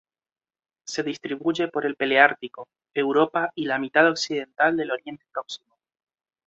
Se distribuye por el paleártico: Europa y la mitad occidental del Oriente Próximo.